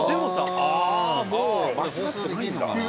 ああ間違ってないんだ。